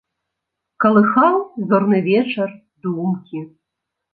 Калыхаў зорны вечар думкі.